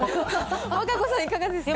和歌子さん、いかがですか？